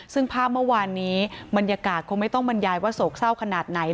ซึ่งภาพเมื่อวานนี้บรรยากาศคงไม่ต้องบรรยายว่าโศกเศร้าขนาดไหน